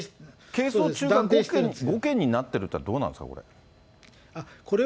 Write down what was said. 係争中が５件になってるというのはどうなんですか、これ。